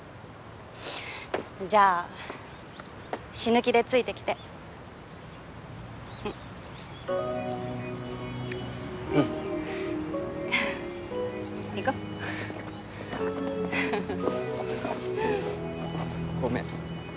じゃあ死ぬ気でついてきてうんうん行こフフフごめん